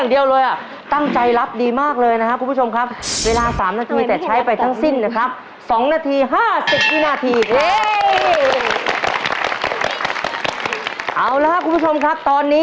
เอาล่ะคุณผู้ชมครับตอนนี้นะครับ